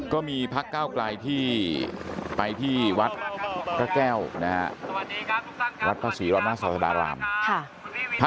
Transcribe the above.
ก็มีพักเก้ากลายไปที่วัดเกอ้วที่รัฐประสุนอรมณ์